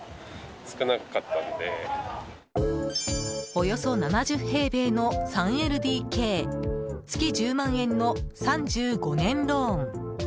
およそ７０平米の３ＬＤＫ月１０万円の３５年ローン。